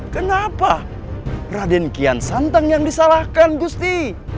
kenapa raden kian santang yang disalahkan gusti